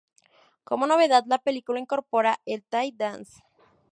Como novedad, la película incorpora el Thai dance.